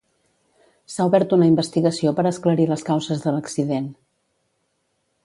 S'ha obert una investigació per esclarir les causes de l'accident.